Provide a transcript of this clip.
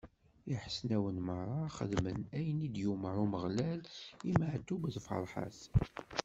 Iḥesnawen meṛṛa xedmen ayen i d-yumeṛ Umeɣlal i Meɛtub d Ferḥat.